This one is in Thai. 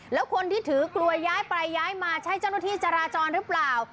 แล้วคนที่ถือกลวยย้ายไปย้ายมาใช่เจ้าหน้าที่จราจรหรือเปล่า